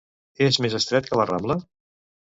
És més estret que la Rambla?